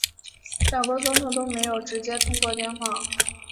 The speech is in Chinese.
两国总统都没有直接通过电话